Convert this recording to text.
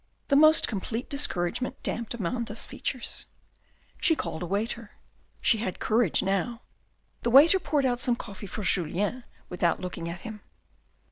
The most complete discouragement damped Amanda's features. She called a waiter. She had courage now. The waiter poured out some coffee for Julien without looking at him.